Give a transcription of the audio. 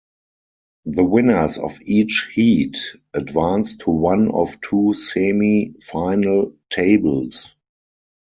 The winners of each heat advance to one of two semi-final tables.